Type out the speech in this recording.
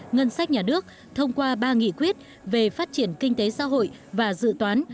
ngân sách nhà nước thông qua ba nghị quyết về phát triển kinh tế xã hội và dự toán